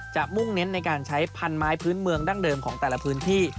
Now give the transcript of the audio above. มุ่งเน้นในการใช้พันไม้พื้นเมืองดั้งเดิมของแต่ละพื้นที่